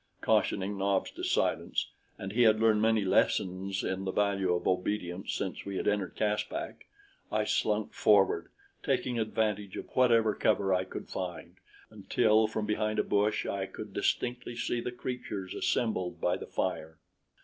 Cautioning Nobs to silence, and he had learned many lessons in the value of obedience since we had entered Caspak, I slunk forward, taking advantage of whatever cover I could find, until from behind a bush I could distinctly see the creatures assembled by the fire.